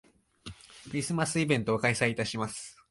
クリスマスイベントを開催いたします